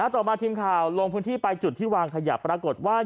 ต่อมาทีมข่าวลงพื้นที่ไปจุดที่วางขยะปรากฏว่า